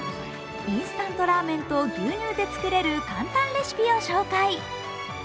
インスタントラーメンと牛乳で作れる簡単レシピを紹介。